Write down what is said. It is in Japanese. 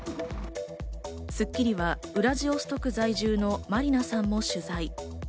『スッキリ』はウラジオストク在住のマリナさんを取材。